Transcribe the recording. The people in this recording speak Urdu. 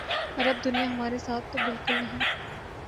عرب دنیا ہمارے ساتھ تو بالکل نہیں۔